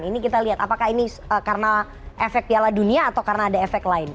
ini kita lihat apakah ini karena efek piala dunia atau karena ada efek lain